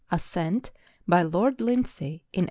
ASCENT BY LORD LINDSAY IN 1837